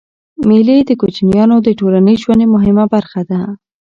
مېلې د کوچنيانو د ټولنیز ژوند مهمه برخه ده.